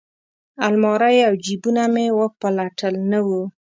المارۍ او جیبونه مې وپلټل نه وه.